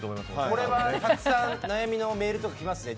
これはたくさん悩みのメールとか来ますね。